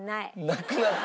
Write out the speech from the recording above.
なくなって。